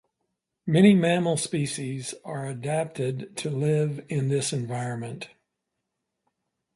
Many mammal species are adapted to live in this environment.